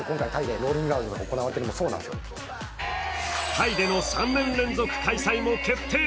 タイでの３年連続開催も決定。